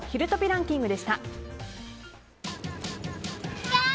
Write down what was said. ランキングでした。